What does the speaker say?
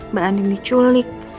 mbak anding diculik